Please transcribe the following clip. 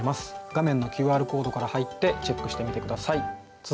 画面のＱＲコードから入ってチェックしてみて下さい。